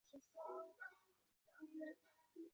如今的马甸地区元朝时属于可封坊。